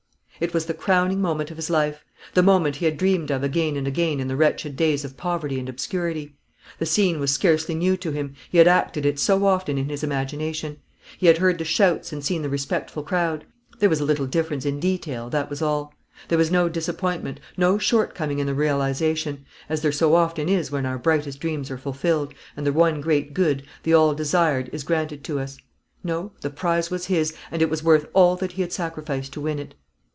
It was the crowning moment of his life; the moment he had dreamed of again and again in the wretched days of poverty and obscurity. The scene was scarcely new to him, he had acted it so often in his imagination; he had heard the shouts and seen the respectful crowd. There was a little difference in detail; that was all. There was no disappointment, no shortcoming in the realisation; as there so often is when our brightest dreams are fulfilled, and the one great good, the all desired, is granted to us. No; the prize was his, and it was worth all that he had sacrificed to win it.